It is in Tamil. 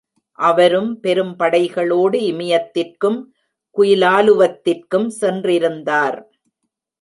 அவரும் பெரும் படைகளோடு இமயத்திற்கும் குயிலாலுவத்திற்கும் சென்றிருந்தார்.